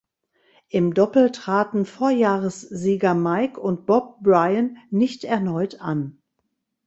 Im Doppel traten Vorjahressieger Mike und Bob Bryan nicht erneut an.